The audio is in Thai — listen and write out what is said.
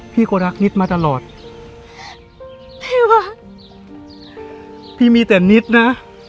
พี่ก็รักนิดมาตลอดพี่ว่าพี่มีแต่นิดนะ